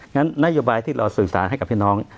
งั้นนโยบายที่เราสื่อสารให้กับพี่น้อง